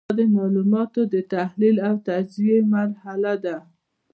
دا د معلوماتو د تحلیل او تجزیې مرحله ده.